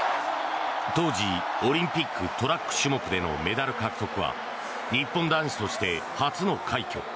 当時オリンピックトラック種目でのメダル獲得は日本男子として初の快挙。